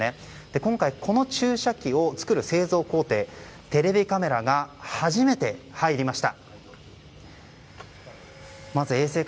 今回この注射器を作る製造工程テレビカメラが初めて入りました。